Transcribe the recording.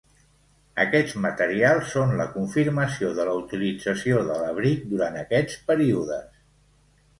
Aquests materials són la confirmació de la utilització de l'abric durant aquests períodes.